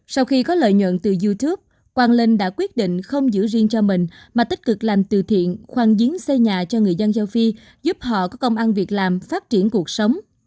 sau khi có lợi nhuận từ youtube quang linh đã quyết định không giữ riêng cho mình mà tích cực lành từ thiện khoan giếng xây nhà cho người dân châu phi giúp họ có công ăn việc làm phát triển cuộc sống